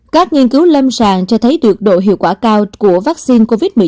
các nghiên cứu lâm sàng cho thấy được độ hiệu quả cao của vaccine covid một mươi chín